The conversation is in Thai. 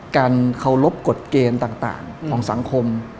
การเคารพกฎเกณฑ์ต่างของสังคม